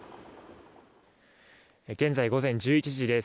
現在、午前１１時です。